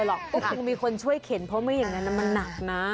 หรอกก็คงมีคนช่วยเข็นเพราะไม่อย่างนั้นมันหนักนะ